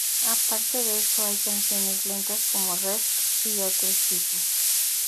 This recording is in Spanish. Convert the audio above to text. Aparte de eso, hay canciones lentas, como Rest, y otros tipos.